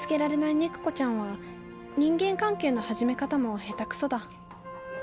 肉子ちゃんは人間関係の始め方も下手クソだ。